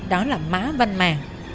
đó là mã văn mè